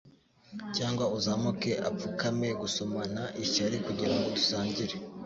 Cyangwa uzamuke apfukame gusomana ishyari kugirango dusangire,